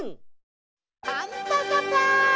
パンパカパン！